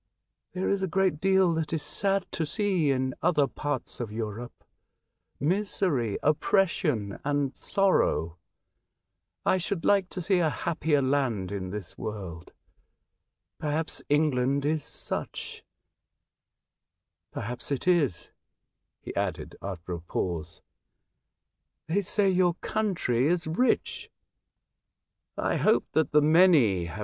There is a great deal that is sad to see in other parts of Europe — misery, oppression, and sorrow. I should like to see a happier land in this world. Perhaps England is such — perhaps it is," he added, after a pause. *' They say your country is rich. I hope that the many have 6 A Voyage to Other Worlds.